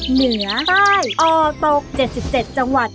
เหนือใต้ออกตก๗๗จังหวัด